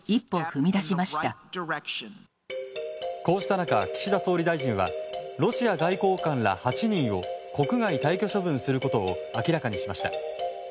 こうした中岸田総理大臣はロシア外交官ら８人を国外退去処分することを明らかにしました。